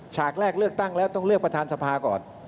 ฉากแรกเลือกตั้งแล้วต้องเลือกประธานสภาก่อน